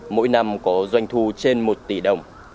mỗi năm có doanh thu trên một tỷ đồng